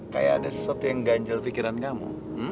kayak ada sesuatu yang ganjal pikiran kamu